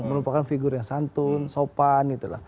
menurut pak prabowo kan figur yang santun sopan